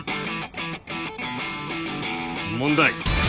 問題。